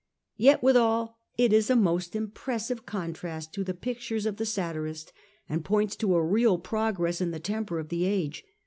Yet withal it is a most impressive contrast to the pictures of the satirist, and points to a real progress in the temper of the age.